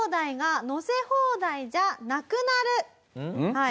はい。